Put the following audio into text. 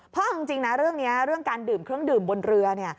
เพราะเอาจริงนะเรื่องนี้เรื่องการดื่มเครื่องดื่มบนเรือ